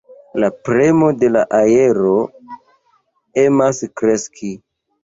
La premo de la aero emas kreski.